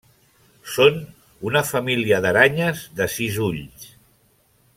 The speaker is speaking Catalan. Són una família d'aranyes de sis ulls.